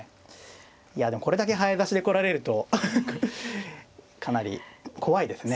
いやでもこれだけ早指しで来られるとかなり怖いですね。